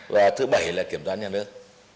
và thứ bảy là kiểm soát nhà nước